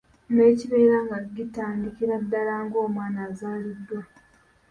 Ne kibeera nga gitandikira ddala ng’omwana azaaliddwa.